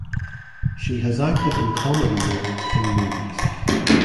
She has acted in comedy roles in movies.